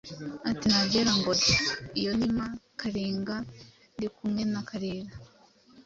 ati «Nta byera ngo de; iyo nima Kalinga ndikumwe na Kalira !»